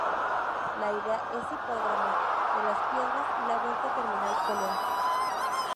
La ida es Hipódromo De Las Piedras y la vuelta Terminal Colón.